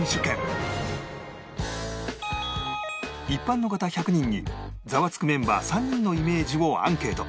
一般の方１００人に『ザワつく！』メンバー３人のイメージをアンケート